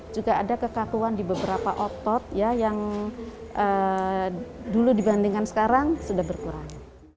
juga ada kekakuan di beberapa otot yang dulu dibandingkan sekarang sudah berkurang